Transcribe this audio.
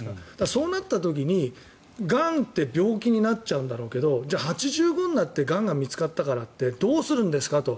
そうなった時に、がんって病気になっちゃうんだろうけどじゃあ８５歳になってがんが見つかったからってどうするんですかと。